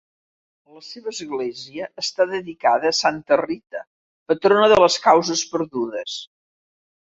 La seva església està dedicada a Santa Rita, patrona de les causes perdudes.